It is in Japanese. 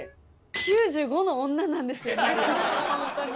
９５の女なんですよねホントに。